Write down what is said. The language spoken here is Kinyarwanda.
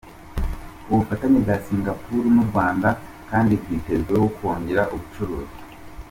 Ubufatanye bwa Singapore n’u Rwanda kandi bwitezweho kongera ubucuruzi.